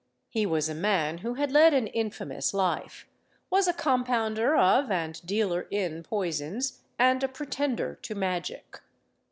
He was a man who had led an infamous life, was a compounder of and dealer in poisons, and a pretender to magic.